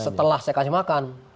setelah saya kasih makan